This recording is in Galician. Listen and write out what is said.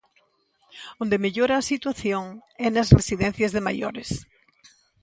Onde mellora a situación é nas residencias de maiores.